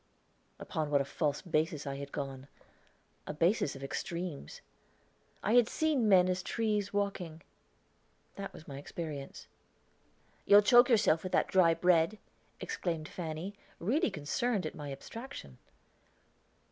Upon what a false basis I had gone a basis of extremes. I had seen men as trees walking; that was my experience. "You'll choke yourself with that dry bread," exclaimed Fanny, really concerned at my abstraction.